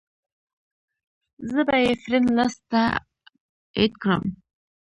زۀ به ئې فرېنډ لسټ ته اېډ کړم -